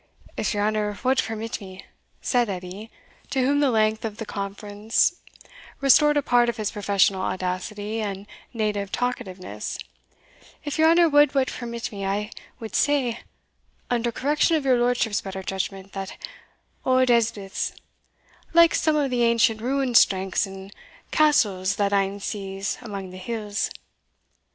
"If your honour wad permit me," said Edie, to whom the length of the conference restored a part of his professional audacity and native talkativeness "if your honour wad but permit me, I wad say, under correction of your lordship's better judgment, that auld Elspeth's like some of the ancient ruined strengths and castles that ane sees amang the hills.